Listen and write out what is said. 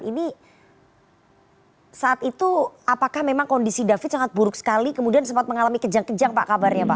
ini saat itu apakah memang kondisi david sangat buruk sekali kemudian sempat mengalami kejang kejang pak kabarnya pak